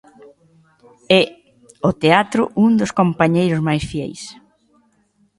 É o teatro un dos compañeiros máis fieis.